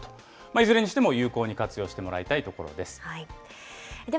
いずれにしても有効に活用してもらいたいところです。